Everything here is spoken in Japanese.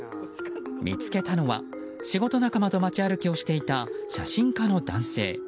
見つけたのは仕事仲間と街歩きをしていた写真家の男性。